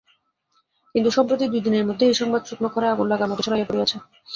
কিন্তু সম্প্রতি দুই দিনের মধ্যেই এই সংবাদ শুকনো খড়ে আগুন লাগার মতো ছড়াইয়া পড়িয়াছে।